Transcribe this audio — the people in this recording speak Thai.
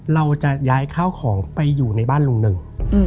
เราจะย้ายข้าวของไปอยู่ในบ้านลุงหนึ่ง